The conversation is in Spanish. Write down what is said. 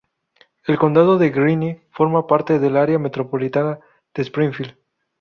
El condado de Greene forma parte del área metropolitana de Springfield.